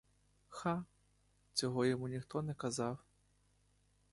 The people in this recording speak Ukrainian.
Ха, цього йому ніхто не казав.